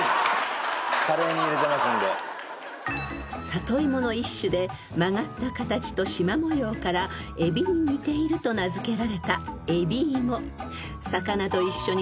［里芋の一種で曲がった形としま模様からエビに似ていると名付けられたえびいも］